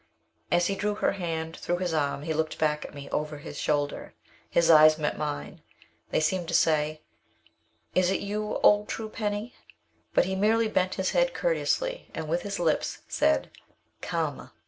As he drew her hand through his arm, he looked back at me, over his shoulder. His eyes met mine. They seemed to say, "Is it you, old True penny?" But he merely bent his head courteously and with his lips said, "Come!"